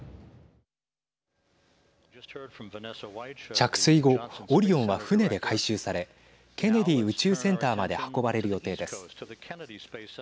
着水後オリオンは船で回収されケネディ宇宙センターまで運ばれる予定です。